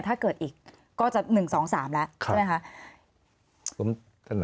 ถ้าเกิดอีกก็จะ๑๒๓แล้วใช่ไหมคะ